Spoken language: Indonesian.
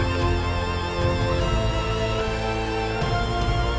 kanda akan berubah